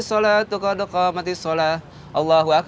assalamualaikum warahmatullahi wabarakatuh